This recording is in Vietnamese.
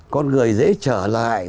con người dễ trở lại